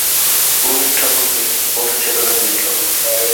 পুরোহিত ঠাকুরকে পথে ছেলেরা ঘিরিল।